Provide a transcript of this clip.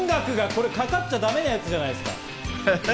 これかかっちゃだめなやつじゃないですか？